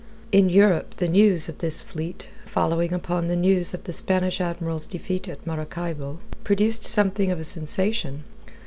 In Europe the news of this fleet, following upon the news of the Spanish Admiral's defeat at Maracaybo, produced something of a sensation.